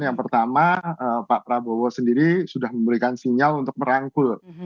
yang pertama pak prabowo sendiri sudah memberikan sinyal untuk merangkul